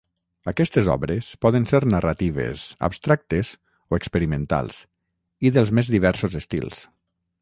Aquestes obres poden ser narratives, abstractes o experimentals i dels més diversos estils.